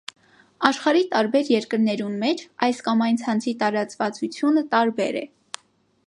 Աշխարհի տարբեր երկիրներուն մէջ այս կամ այն ցանցի տարածուածութիւնը տարբեր է։